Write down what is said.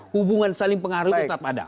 hubungan saling pengaruh itu tetap ada